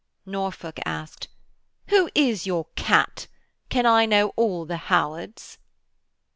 Norfolk asked: 'Who is your Kat? Can I know all the Howards?'